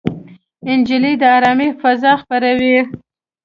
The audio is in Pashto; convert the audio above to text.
نجلۍ د ارامۍ فضا خپروي.